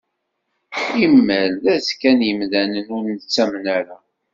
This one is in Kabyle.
Imal d azekka n yimdanen ur nettamen ara.